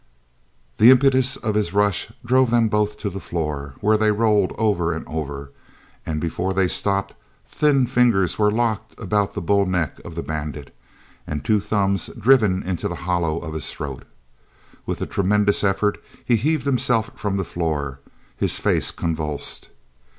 The impetus of his rush drove them both to the floor, where they rolled over and over, and before they stopped thin fingers were locked about the bull neck of the bandit, and two thumbs driven into the hollow of his throat. With a tremendous effort he heaved himself from the floor, his face convulsed.